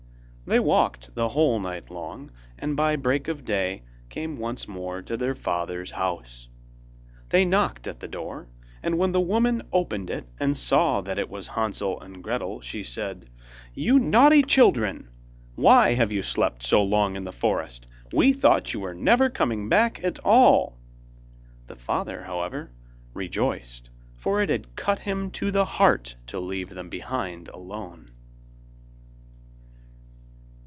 They walked the whole night long, and by break of day came once more to their father's house. They knocked at the door, and when the woman opened it and saw that it was Hansel and Gretel, she said: 'You naughty children, why have you slept so long in the forest? we thought you were never coming back at all!' The father, however, rejoiced, for it had cut him to the heart to leave them behind alone.